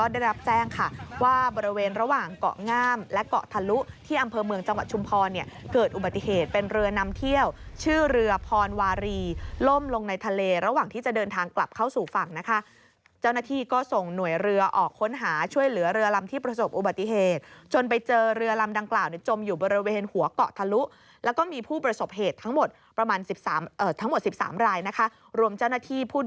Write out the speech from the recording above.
ได้รับแจ้งค่ะว่าบริเวณระหว่างเกาะง่ามและเกาะทะลุที่อำเภอเมืองจังหวัดชุมพอเนี่ยเกิดอุบัติเหตุเป็นเรือนำเที่ยวชื่อเรือพรวารีล่มลงในทะเลระหว่างที่จะเดินทางกลับเข้าสู่ฝั่งนะคะเจ้าหน้าที่ก็ส่งหน่วยเรือออกค้นหาช่วยเหลือเรือลำที่ประสบอุบัติเหตุจนไปเจอเรือลำดังกล่าวจมอยู่บริ